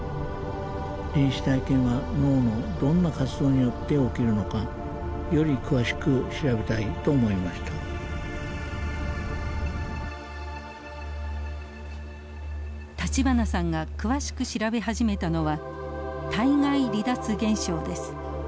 臨死体験は脳のどんな活動によって起きるのかより詳しく調べたいと思いました立花さんが詳しく調べ始めたのは体外離脱現象です。